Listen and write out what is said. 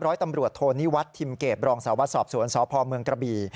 ร้อยตำรวจโทนิวัฒน์ทิมเกตบรองสาววัดสอบสวนสพเมืองกระบี่